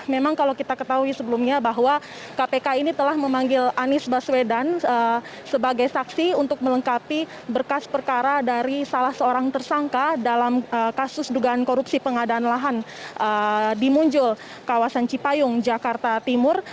memang kalau kita ketahui sebelumnya bahwa kpk ini telah memanggil anies baswedan sebagai saksi untuk melengkapi berkas perkara dari salah seorang tersangka dalam kasus dugaan korupsi pengadaan lahan di munjul kawasan cipayung jakarta timur